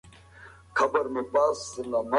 هغه له کتابونو او مجلو سره ځانګړې مینه لرله.